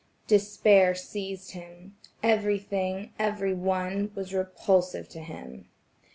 Despair seized him. Everything, every one, was repulsive to him.